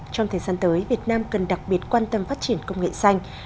trong thời gian tới việt nam cần đặc biệt quan tâm phát triển công nghệ xanh